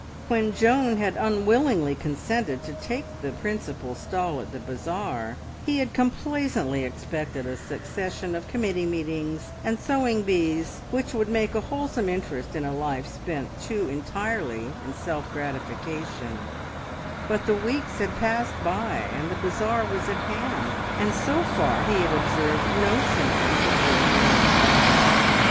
When Joan had unwillingly consented to take the principal stall at the bazaar, he had complacently expected a succession of committee meetings and sewing bees, which would make a wholesome interest in a life spent too entirely in self gratification; but the weeks had passed by, and the bazaar was at hand, and so far he had observed no symptoms of work on its behalf.